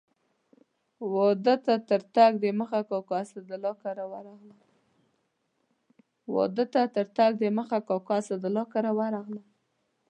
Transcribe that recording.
واده ته تر تګ دمخه کاکا اسدالله کره ورغلم.